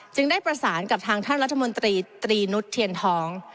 ได้ประสานกับทางท่านรัฐมนตรีตรีนุษย์เทียนทอง